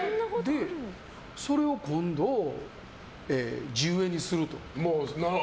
それを今度、地植えにすると。